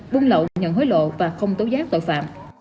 buôn lậu nhận hối lộ và không tố giác tội phạm